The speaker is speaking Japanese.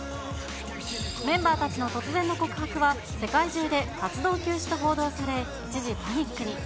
メンバーたちの突然の告白は、世界中で活動休止と報道され、一時パニックに。